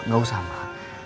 gak usah mbak